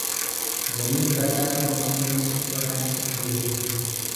جمين برشآتيٚ موسميٚ مي سوُڪوآ تآڻيٚ سڪدي هي